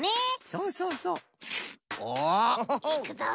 そうそうそうオホホホいくぞ。